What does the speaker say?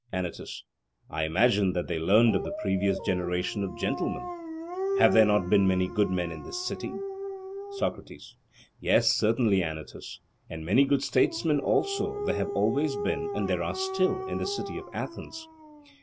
ANYTUS: I imagine that they learned of the previous generation of gentlemen. Have there not been many good men in this city? SOCRATES: Yes, certainly, Anytus; and many good statesmen also there always have been and there are still, in the city of Athens.